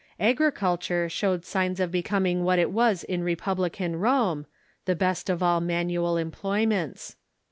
Agriculture showed signs of becoming what it was in republican Rome — the best of all manual employments.